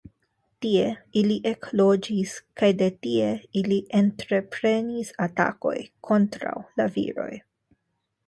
Tie ili ekloĝis kaj de tie ili entreprenis atakoj kontraŭ la viroj.